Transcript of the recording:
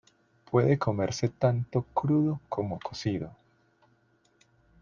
Puede comerse tanto crudo como cocido.